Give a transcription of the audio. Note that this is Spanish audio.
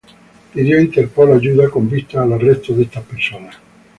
Pidió a Interpol ayuda con vistas al arresto de estas personas.